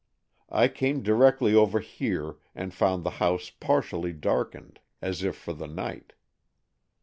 I came directly over here, and found the house partially darkened, as if for the night.